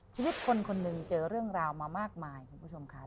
ชีวิตคนคนหนึ่งเจอเรื่องราวมามากมายคุณผู้ชมค่ะ